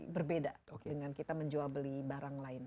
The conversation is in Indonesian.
berbeda dengan kita menjual beli barang lain